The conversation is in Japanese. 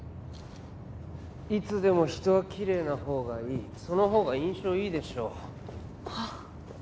いつでも人はきれいなほうがいいそのほうが印象いいでしょはあ？